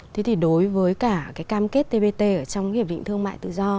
thế thì đối với cả cái cam kết tbt ở trong hiệp định thương mại